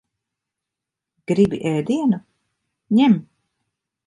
Gribi ēdienu? Ņem.